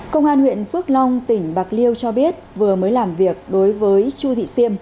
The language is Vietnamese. công an huyện phước long tỉnh bạc liêu cho biết vừa mới làm việc đối với chu thị siêm